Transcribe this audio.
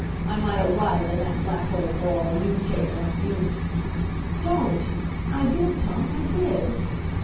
I might 'a' rotted in that black hole for all you'd care, you " "Don't! I did, Tom; I did."